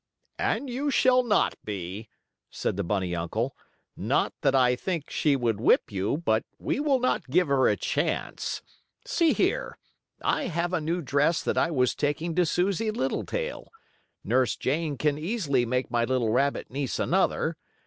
"And you shall not be," said the bunny uncle. "Not that I think she would whip you, but we will not give her a chance. See here, I have a new dress that I was taking to Susie Littletail. Nurse Jane can easily make my little rabbit niece another.